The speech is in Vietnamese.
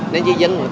nên cho dân người ta